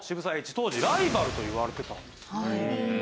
当時ライバルといわれてたんですね。